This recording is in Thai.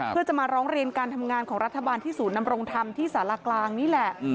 เพื่อจะมาร้องเรียนการทำงานของรัฐบาลที่ศูนย์นำรงธรรมที่สารกลางนี่แหละ